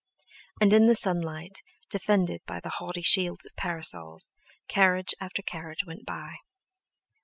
And in the sunlight, defended by the haughty shields of parasols, carriage after carriage went by.